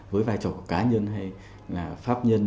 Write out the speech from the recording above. với vai trò cá nhân hay là pháp nhân